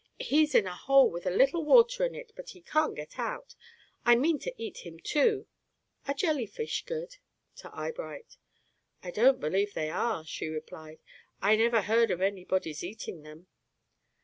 He's in a hole with a little water in it, but he can't get out. I mean to eat him, too. Are jelly fish good?" to Eyebright. "I don't believe they are," she replied. "I never heard of anybody's eating them."